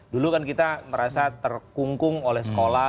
dulu kan kita merasa terkungkung oleh sekolah